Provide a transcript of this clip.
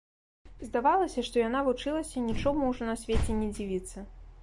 Здавалася, што яна вучылася нічому ўжо на свеце не дзівіцца.